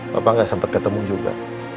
papa gak sempat ketemu juga